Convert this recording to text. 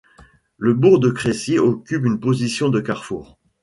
Le bourg de Crécy occupe une position de carrefour.